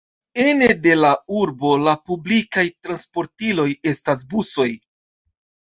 Ene de la urbo, la publikaj transportiloj estas busoj.